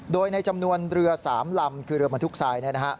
โดยในจำนวนเรือ๓ลำคือเรือบรรทุกทราย